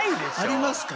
ありますか？